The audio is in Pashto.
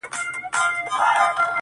قاسم یار جوړ له دې څلور ټکو جمله یمه زه,